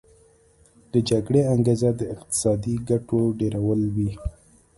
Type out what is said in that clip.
د جګړې انګیزه د اقتصادي ګټو ډیرول وي